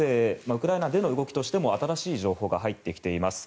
ウクライナでの動きとしても新しい情報が入ってきています。